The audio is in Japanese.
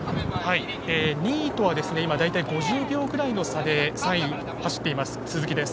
２位とは今、大体５０秒くらいの差で３位を走っています鈴木です。